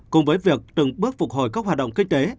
cùng với việc từng bước phục hồi các hoạt động kinh tế